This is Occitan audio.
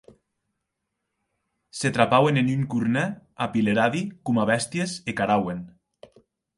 Se trapauen en un cornèr apileradi coma bèsties e carauen.